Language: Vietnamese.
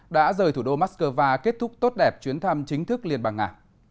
đã rời thủ đô moscow kết thúc tốt đẹp chuyến thăm chính thức liên bang nga